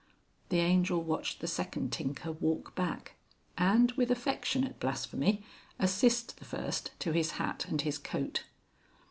The Angel watched the second tinker walk back, and, with affectionate blasphemy, assist the first to his hat and his coat.